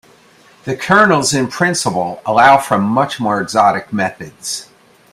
The kernels in principle allow for much more exotic methods.